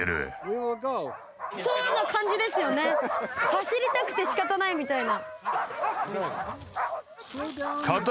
走りたくて仕方ないみたいな。